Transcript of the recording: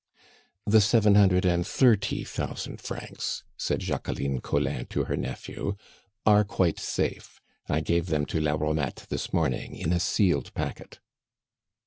"The seven hundred and thirty thousand francs," said Jacqueline Collin to her nephew, "are quite safe; I gave them to la Romette this morning in a sealed packet."